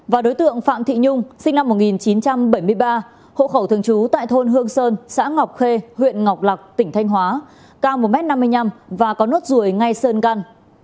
và đối tượng phạm thị nhung sinh năm một nghìn chín trăm bảy mươi ba hộ khẩu thường trú tại thôn hương sơn xã ngọc khê huyện ngọc lạc tỉnh thanh hóa cao một m năm mươi năm và có nốt ruồi ngay sơn căn